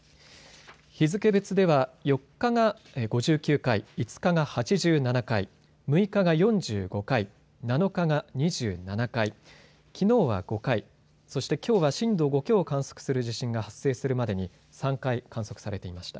日付別では４日が５９回、５日が８７回６日が４５回７日が２７回きのうは５回そして、きょうは震度５強を観測する地震が発生するまでに３回観測されていました。